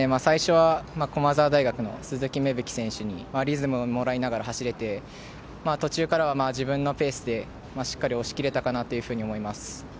最初は駒澤大の鈴木選手にリズムをもらいながら走れて、途中からは自分のペースでしっかり押し切れたかなと思います。